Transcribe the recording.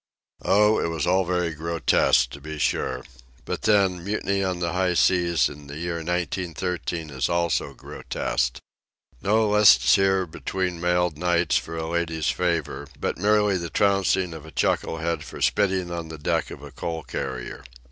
Oh, it was all very grotesque, to be sure. But then, mutiny on the high seas in the year nineteen thirteen is also grotesque. No lists here between mailed knights for a lady's favour, but merely the trouncing of a chuckle head for spitting on the deck of a coal carrier.